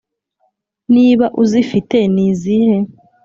niba uzifite ni izihe?